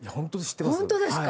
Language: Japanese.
本当ですか？